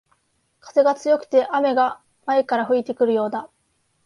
風が強くて雨が前から吹いてくるようだ